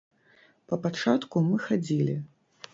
Па пачатку мы хадзілі.